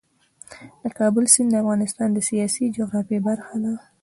د کابل سیند د افغانستان د سیاسي جغرافیه برخه ده.